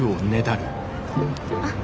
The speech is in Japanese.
あっ。